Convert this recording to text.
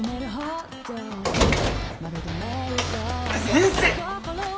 先生！